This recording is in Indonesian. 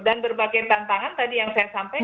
dan berbagai tantangan tadi yang saya sampaikan